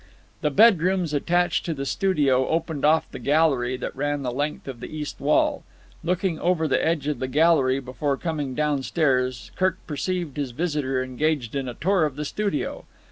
The bedrooms attached to the studio opened off the gallery that ran the length of the east wall. Looking over the edge of the gallery before coming downstairs Kirk perceived his visitor engaged in a tour of the studio.